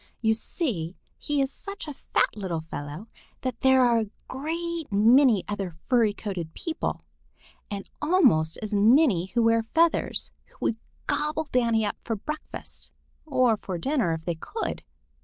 You see, he is such a fat little fellow that there are a great many other furry coated people, and almost as many who wear feathers, who would gobble Danny up for breakfast or for dinner if they could.